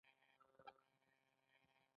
کاري پلان د ترسره کیدو نیټه لري.